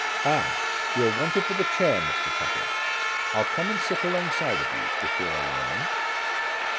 Ah! you're wanted for the chair, Mr. Tappitt. I'll come and sit alongside of you, if you'll allow me."